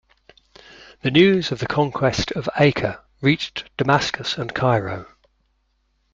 The news of the conquest of Acre reached Damascus and Cairo.